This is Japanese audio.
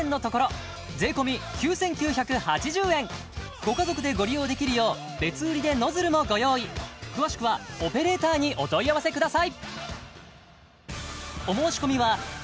ご家族でご利用できるよう別売りでノズルもご用意詳しくはオペレーターにお問い合わせください